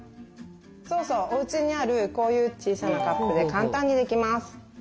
そうそうおうちにあるこういう小さなカップで簡単にできます。